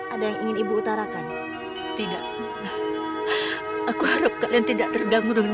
ada yang ingin ibu utarakan tidak aku harap kalian tidak terganggu dengan